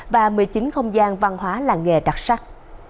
và một mươi chín không gian văn hóa làng nghề đặc sắc